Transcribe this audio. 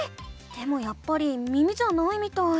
でもやっぱり耳じゃないみたい。